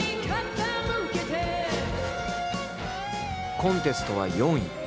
コンテストは４位。